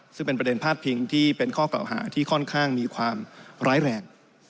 ซึ่งเป็นประเด็นพาดพิงที่เป็นข้อเก่าหาที่ค่อนข้างมีความร้ายแรง